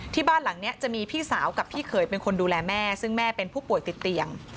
บ้านหลังนี้จะมีพี่สาวกับพี่เขยเป็นคนดูแลแม่ซึ่งแม่เป็นผู้ป่วยติดเตียง